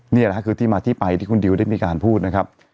นี่แหละครับคือที่มาที่ไปที่คุณดิวได้มีการพูดนะครับ